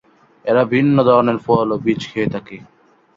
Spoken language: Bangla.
এরা বিভিন্ন ধরনের ফল ও বীজ খেয়ে থাকে।